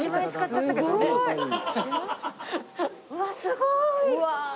うわっすごい！